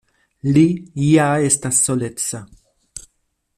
Li ja estas soleca.